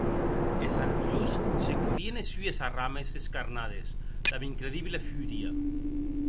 Es arbilhons secodien es sues arrames descarnades damb incredible furia.